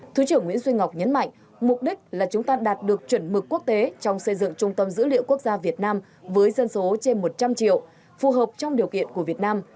thứ trưởng nguyễn duy ngọc nhấn mạnh mục đích là chúng ta đạt được chuẩn mực quốc tế trong xây dựng trung tâm dữ liệu quốc gia việt nam với dân số trên một trăm linh triệu phù hợp trong điều kiện của việt nam